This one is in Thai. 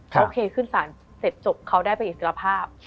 เขาโอเคขึ้นศาลเสร็จจบเขาได้ไปศิลภาพ